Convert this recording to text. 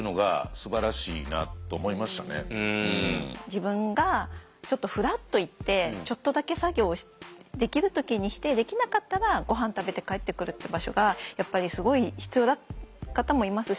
自分がちょっとフラッと行ってちょっとだけ作業をできる時にしてできなかったらごはん食べて帰ってくるって場所がやっぱりすごい必要な方もいますし